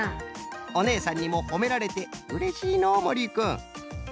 おねえさんにもほめられてうれしいのうもりいくん！